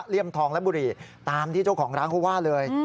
ทองและบุหรี่ตามที่เจ้าของร้านเขาว่าเลย